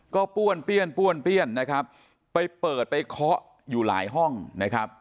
ก็ป้วนเปรี้ยนนะครับไปเปิดไปเคาะอยู่หลายห้องนะครับ